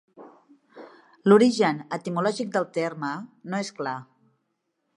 L'origen etimològic del terme no és clar.